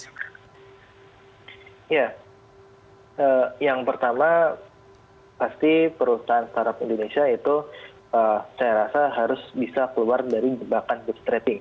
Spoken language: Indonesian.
ya yang pertama pasti perusahaan startup indonesia itu saya rasa harus bisa keluar dari jebakan food trading